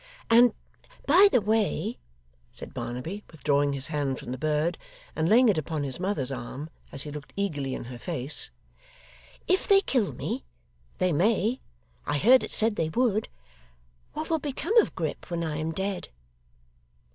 'And by the way,' said Barnaby, withdrawing his hand from the bird, and laying it upon his mother's arm, as he looked eagerly in her face; 'if they kill me they may: I heard it said they would what will become of Grip when I am dead?